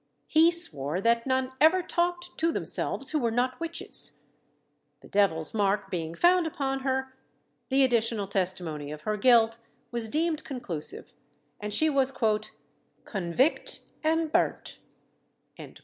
He swore that none ever talked to themselves who were not witches. The devil's mark being found upon her, the additional testimony of her guilt was deemed conclusive, and she was "convict and brynt."